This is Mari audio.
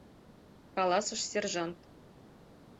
— каласыш сержант.